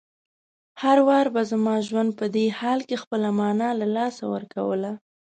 هر وار به زما ژوند په دې حال کې خپله مانا له لاسه ورکوله.